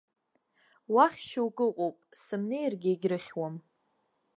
Уахь шьоук ыҟоуп, сымнеиргьы егьрыхьуам.